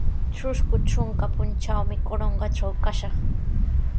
Trusku trunka puntrawmi Corongotraw kashaq.